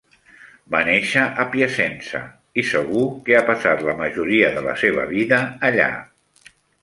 Va néixer a Piacenza i segur que ha passat la majoria de la seva vida allà.